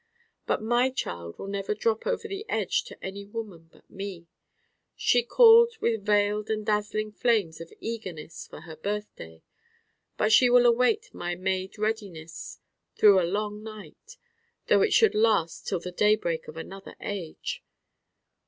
But my Child will never drop over the edge to any woman but me. She calls with veiled and dazzling flames of eagerness for her Birthday: but she will await my made readiness through a long night, though it should last till the day break of another age.